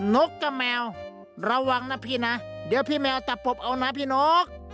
นกกับแมวระวังนะพี่นะเดี๋ยวพี่แมวตัดผมเอานะพี่นก